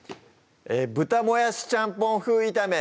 「豚もやしちゃんぽん風炒め」